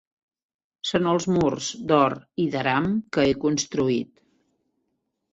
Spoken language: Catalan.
Són els murs d'or i d'aram que he construït